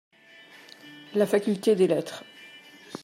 La faculté des lettres.